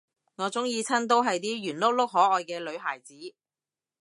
我鍾意親都係啲圓碌碌可愛嘅女孩子